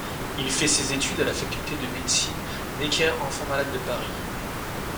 Il fait ses études à la faculté de médecine Necker-Enfants Malades de Paris.